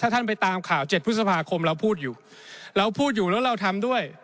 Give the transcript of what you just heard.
ท่านไปตามข่าว๗พฤษภาคมเราพูดอยู่เราพูดอยู่แล้วเราทำด้วย